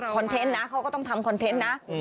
เขาก็ต้องทำคอนเทนต์นะ